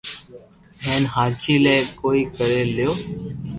ھين ھاچي لي ڪوئي ڪري ليو